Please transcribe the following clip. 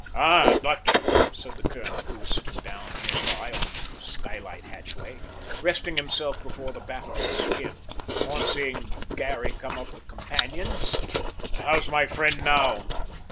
"Ah, doctor," said the colonel, who was sitting down near by on the skylight hatchway, resting himself before the battle should begin, on seeing Garry come up the companion, "how's my poor friend now?"